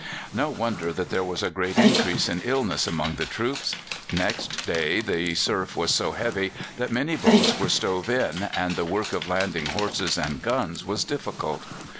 No wonder that there was a great increase in illness among the troops. Next day the surf was so heavy that many boats were stove in, and the work of landing horses and guns was difficult.